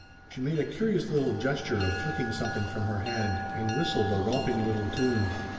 She made a curious little gesture of flicking something from her hand and whistled a romping little tune.